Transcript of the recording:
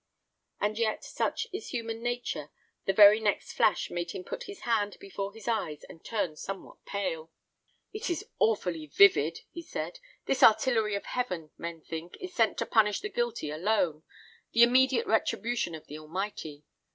And yet such is human nature, the very next flash made him put his hands before his eyes and turn somewhat pale. "It is awfully vivid," he said. "This artillery of heaven, men think, is sent to punish the guilty alone: the immediate retribution of the Almighty.